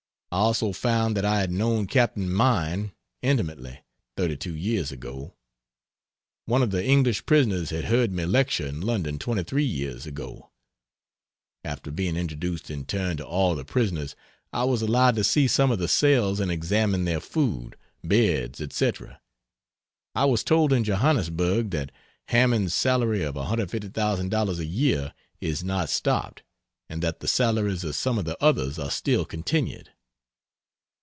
I also found that I had known Capt. Mein intimately 32 years ago. One of the English prisoners had heard me lecture in London 23 years ago. After being introduced in turn to all the prisoners, I was allowed to see some of the cells and examine their food, beds, etc. I was told in Johannesburg that Hammond's salary of $150,000 a year is not stopped, and that the salaries of some of the others are still continued.